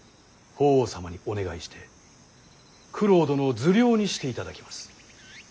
法皇様にお願いして九郎殿を受領にしていただきます。